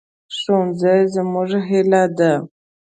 ښوونځی زموږ هیله ده